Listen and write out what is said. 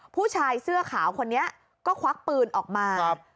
ผู้ชายเสื้อขาวคนนี้ก็ควักปืนออกมา